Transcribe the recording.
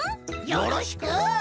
よろしく！